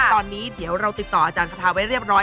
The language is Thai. ตอนนี้เดี๋ยวเราติดต่ออาจารย์คาทาไว้เรียบร้อย